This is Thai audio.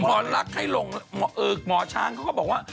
หมอลักษณ์ให้ลงหมอช้างเขาก็บอกว่า